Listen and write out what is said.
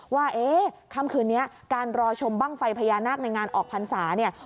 ว่าค่ำคืนนี้การรอชมบ้างไฟพญานาคในงานออกพรรษาเนี่ย